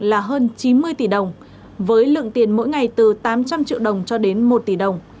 là hơn chín mươi tỷ đồng với lượng tiền mỗi ngày từ tám trăm linh triệu đồng cho đến một tỷ đồng